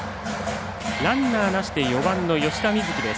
ランナーなしで４番の吉田瑞樹です。